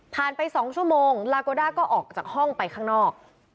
ไป๒ชั่วโมงลาโกด้าก็ออกจากห้องไปข้างนอก